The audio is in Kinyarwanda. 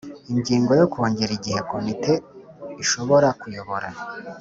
Ingingo yo Kongera igihe komite ishoborA kuyobora